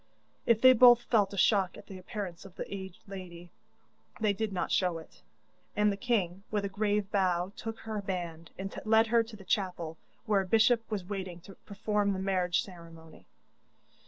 If they both felt a shock at the appearance of the aged lady they did not show it, and the king, with a grave bow, took her band, and led her to the chapel, where a bishop was waiting to perform the marriage ceremony.